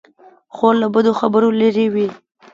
خور له بدو خبرو لیرې وي.